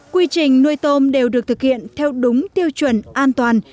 quy trình nuôi tôm đều được thực hiện theo đúng tiêu chuẩn an toàn